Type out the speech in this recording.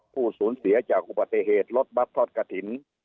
ผู้สูญเสียจากอุบัติเหตุรถบัตรทอดกระถิ่น